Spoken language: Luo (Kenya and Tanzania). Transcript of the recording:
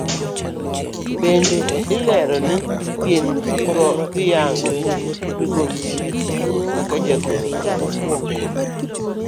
Bende olero ni gin giyango migosi Siki kaka jagoro margi.